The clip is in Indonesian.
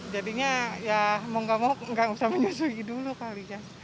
jadinya ya mau nggak mau nggak usah menyusui dulu kalinya